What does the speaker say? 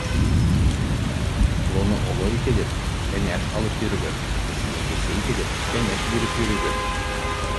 Олоно оло итегеҙ, кәңәш алып йөрөгөҙ, кесене кесе итегеҙ, кәңәш биреп йөрөгөҙ.